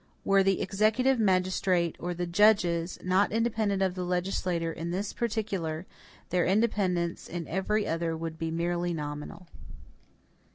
Were the executive magistrate, or the judges, not independent of the legislature in this particular, their independence in every other would be merely nominal.